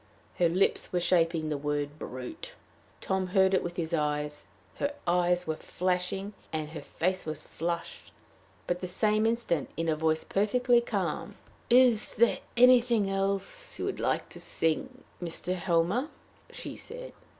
Her lips were shaping the word brute! Tom heard it with his eyes; her eyes were flashing, and her face was flushed. But the same instant, in a voice perfectly calm "Is there anything else you would like to sing, Mr. Helmer?" she said.